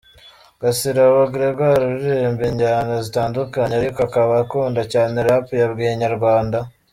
Gasirabo Gregoir uririmba injyana zitandukanye ariko akaba akunda cyane Rap, yabwiye inyarwanda.